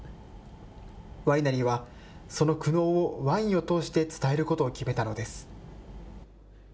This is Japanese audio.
ワイナリーは、その苦悩をワインを通して伝えることを決めたのです。